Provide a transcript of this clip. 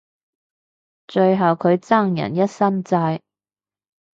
最後佢爭人一身債